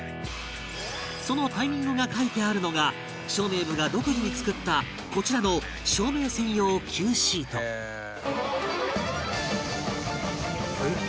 そのタイミングが書いてあるのが照明部が独自に作ったこちらの「えっ！」